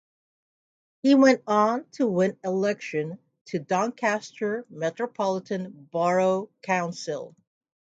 He went on to win election to Doncaster Metropolitan Borough Council.